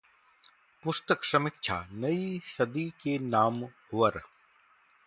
पुस्तक समीक्षाः नई सदी में नामवर